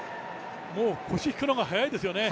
もう腰引くのが早いですよね。